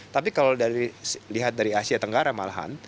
tapi kalau dari lihat dari asia tenggara malahan